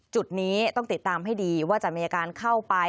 จุดนี้ต้องติดตามให้ดีว่าจะมีอาการเข้าไป